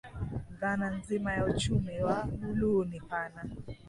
Dhana nzima ya Uchumi wa Buluu ni pana